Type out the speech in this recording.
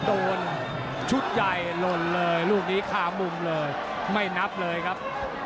โดนชุดใหญ่หล่นเลยลูกนี้คามุมเลยไม่นับเลยครับ